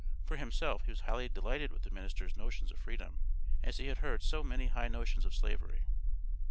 For himself, he was highly delighted with the minister's "notions of freedom," as he had heard so many high notions of Slavery.